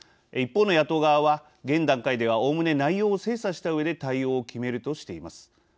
一方の野党側は現段階ではおおむね内容を精査したうえで対応を決めるとしています。